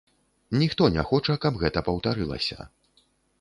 Ніхто не хоча, каб гэта паўтарылася.